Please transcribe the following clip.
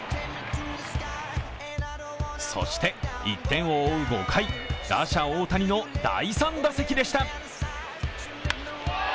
そして１点を追う５回、打者・大谷の第３打席でした。